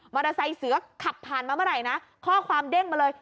เตอร์ไซค์เสือขับผ่านมาเมื่อไหร่นะข้อความเด้งมาเลย